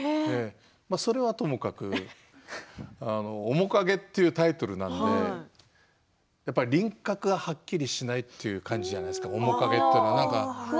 それはともかく「おもかげ」というタイトルなので輪郭がはっきりしないという感じじゃないですか面影というのは。